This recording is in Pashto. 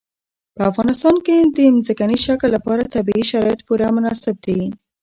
په افغانستان کې د ځمکني شکل لپاره طبیعي شرایط پوره مناسب دي.